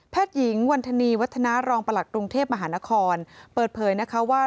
หญิงวันธนีวัฒนารองประหลัดกรุงเทพมหานครเปิดเผยนะคะว่า